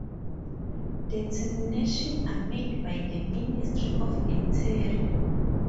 Determinations are made by the Ministry of Interior.